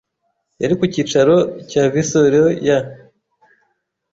yari ku cyicaro cya viceroy ya